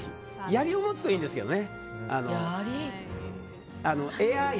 槍を持つといいんですけどね。